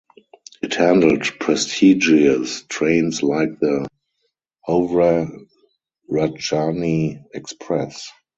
It handled prestigious trains like the Howrah Rajdhani Express.